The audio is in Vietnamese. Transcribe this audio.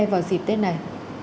vào dịp tết này